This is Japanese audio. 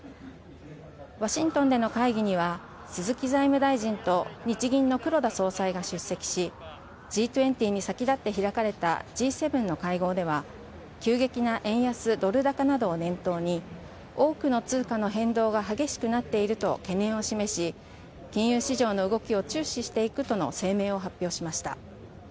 ワシントンでの会議では鈴木財務大臣と日銀の黒田総裁が出席しＧ２０に先立って開かれたＧ７の会合では急激な円安ドル高などを念頭に多くの通貨の変動が激しくなっていると懸念を示し金融市場の動きを注視していくとの声明を発表しました。